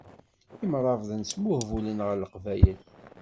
Imṛabḍen smuhbulen ɣer leqbayel.